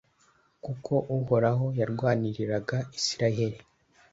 kuko uhoraho yarwaniriraga israheli